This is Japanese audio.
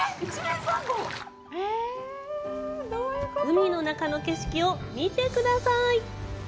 海の中の景色を見てください！